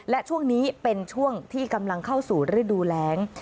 และช่วงนี้เป็นช่วงที่กำลังเข้าสู่ฤดูแรง